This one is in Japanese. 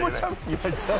岩井ちゃん。